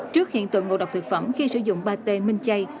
trước hiện tượng ngộ độc thực phẩm khi sử dụng pate minh chay